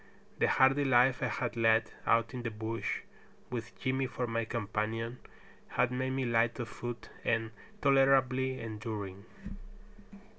The hardy life I had led out in the bush, with Jimmy for my companion, had made me light of foot and tolerably enduring.